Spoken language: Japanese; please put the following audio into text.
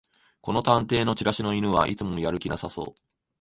この探偵のチラシの犬はいつもやる気なさそう